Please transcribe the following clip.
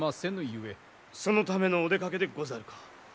そのためのお出かけでござるか。